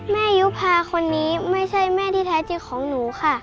แม่ยุพาคนนี้ไม่ใช่แม่ที่แท้จิตด์ของหนูครับ